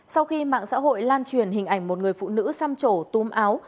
sau khi mạng xã hội lan truyền hình ảnh một người phụ nữ xăm trổ túm áo